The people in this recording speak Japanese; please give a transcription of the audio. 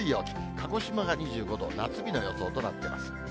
鹿児島が２５度、夏日の予想となっています。